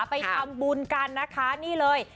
ไปทำบุญกันนะคะนี่เลย